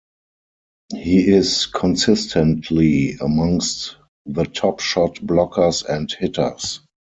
He is consistently amongst the top shot blockers and hitters.